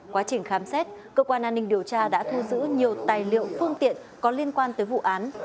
quá trình khám xét cơ quan an ninh điều tra đã thu giữ nhiều tài liệu phương tiện có liên quan tới vụ án